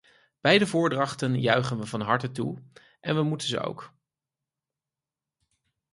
Beide voordrachten juichen we van harte toe, en we moeten ze ook .